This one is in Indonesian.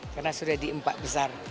karena sudah di empat besar